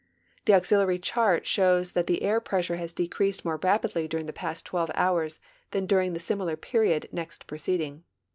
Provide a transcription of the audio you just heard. The auxiliary chart sliows that the air pressure has decreased more rapidly during the past 12 hours than during the similar period next preceding.